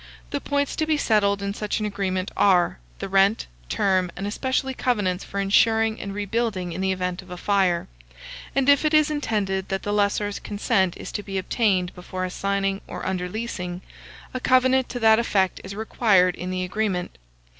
The points to be settled in such an agreement are, the rent, term, and especially covenants for insuring and rebuilding in the event of a fire; and if it is intended that the lessor's consent is to be obtained before assigning or underleasing, a covenant to that effect is required in the agreement.